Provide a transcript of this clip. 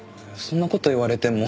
そんな事を言われても。